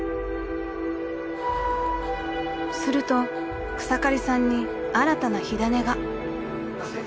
［すると草刈さんに新たな火種が］